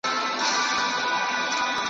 زه مي د خیال په جنازه کي مرمه .